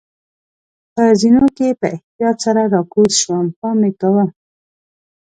په زینو کې په احتیاط سره راکوز شوم، پام مې کاوه.